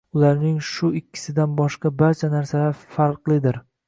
Ularning shu ikkisidan boshqa barcha narsalari farqlidir.